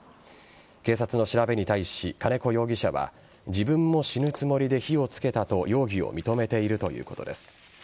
警察の調べに対し金子容疑者は自分も死ぬつもりで火をつけたと容疑を認めているということです。